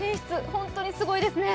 本当にすごいですよね。